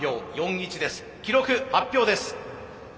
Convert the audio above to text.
記録発表です。